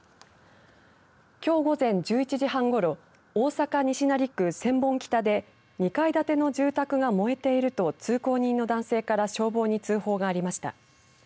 きょう午前１１時半ごろ大阪西成区千本北で２階建ての住宅が燃えていると通行人の男性から消防に通報がありました。